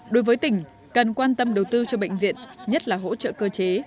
đối với tỉnh cần quan tâm đầu tư cho bệnh viện nhất là hỗ trợ cơ chế